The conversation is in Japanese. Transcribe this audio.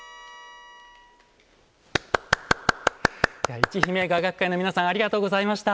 いちひめ雅楽会の皆さんありがとうございました。